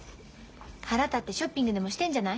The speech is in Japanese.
腹立ってショッピングでもしてんじゃない？